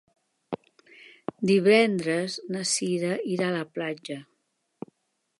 Divendres na Cira irà a la platja.